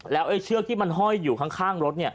แล้วเชือกที่มันห้อยอยู่ข้างรถ